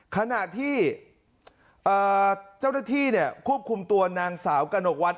ขณะที่เจ้าหน้าที่ควบคุมตัวนางสาวกระหนกวัด